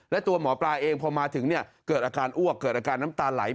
และตัวหมอปลาเองพอมาถึงเกิดอาการอ้วกเกิดอาการน้ำตาไหล